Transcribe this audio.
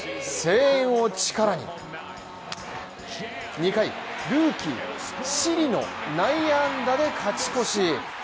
２回、ルーキー、シリの内野安打で勝ち越し。